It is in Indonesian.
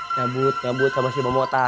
nyabut nyabut sama si momota